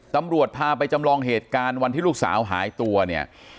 ตำรวจพาไปจำลองเหตุการณ์วันที่ลูกสาวหายตัวเนี่ย